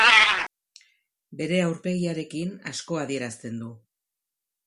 Bere aurpegiarekin asko adierazten du.